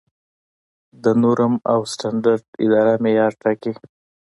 د نورم او سټنډرډ اداره معیارونه ټاکي؟